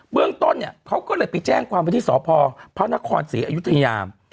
เบื้องต้นเนี่ยเขาก็เลยไปแจ้งความวิธีสอบภอพระพระนครศรีอายุทธิยาม